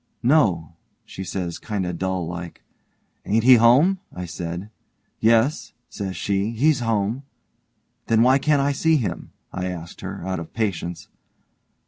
'No', she says, kind o' dull like. 'Ain't he home?' says I. 'Yes', says she, 'he's home'. 'Then why can't I see him?' I asked her, out of patience.